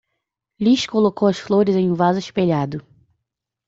Liz colocou as flores em um vaso espelhado.